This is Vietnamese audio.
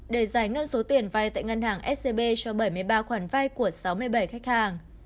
để giải ngân số tiền vay tại ngân hàng scb cho bảy mươi ba khoản vay của sáu mươi bảy khách hàng